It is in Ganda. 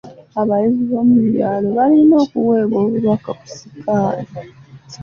Abayizi b'omu byalo balina okuweebwa obubaka ku sikaala.